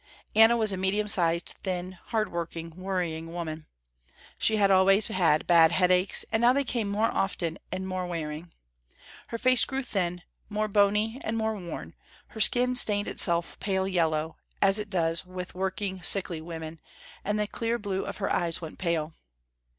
Anna was a medium sized, thin, hard working, worrying woman. She had always had bad headaches and now they came more often and more wearing. Her face grew thin, more bony and more worn, her skin stained itself pale yellow, as it does with working sickly women, and the clear blue of her eyes went pale.